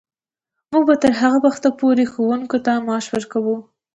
موږ به تر هغه وخته پورې ښوونکو ته معاش ورکوو.